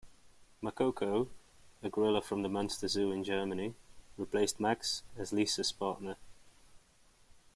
Makoko, a gorilla from the Munster Zoo in Germany, replaced Max as Lisa's partner.